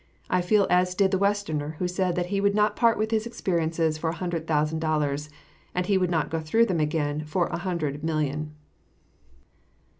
I feel as did the Westerner who said that he would not part with his experiences for a hundred thousand dollars, and he would not go through with it again for a hundred million.